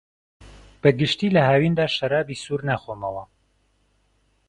بەگشتی لە هاویندا شەرابی سوور ناخۆمەوە.